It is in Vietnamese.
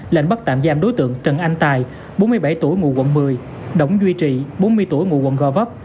lệnh bắt tạm giam đối tượng trần anh tài bốn mươi bảy tuổi ngụ quận một mươi đống duy trì bốn mươi tuổi ngụ quận gò vấp